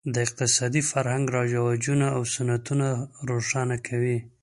د اقتصادي فرهنګ رواجونه او سنتونه روښانه کوي.